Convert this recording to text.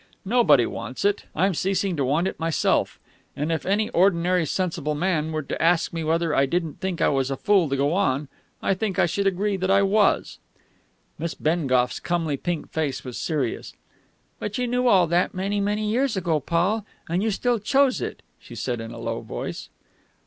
Nobody wants it; I'm ceasing to want it myself; and if any ordinary sensible man were to ask me whether I didn't think I was a fool to go on, I think I should agree that I was." Miss Bengough's comely pink face was serious. "But you knew all that, many, many years ago, Paul and still you chose it," she said in a low voice.